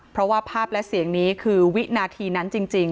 เพราะว่าภาพและเสียงนี้คือวินาทีนั้นจริง